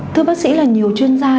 thưa bác sĩ là nhiều chuyên gia